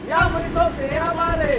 yang menyusup tiap hari